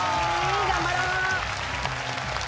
頑張ろう